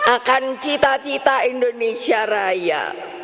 akan cita cita indonesia raya